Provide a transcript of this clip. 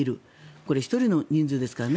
これ、１人の人数ですからね。